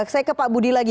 saya ke pak budi lagi